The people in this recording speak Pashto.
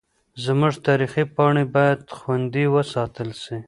زموږ تاریخي پاڼې باید خوندي وساتل سي.